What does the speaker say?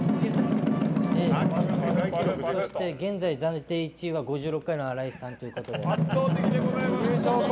現在暫定１位は５６回の荒井さんということで。